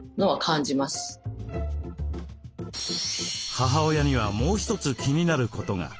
母親にはもう一つ気になることが。